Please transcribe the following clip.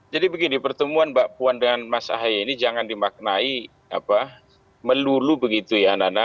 jadi begini pertemuan mbak puan dan mas ahy ini jangan dimaknai melulu begitu ya nana